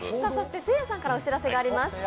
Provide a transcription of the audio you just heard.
せいやさんからお知らせがあります。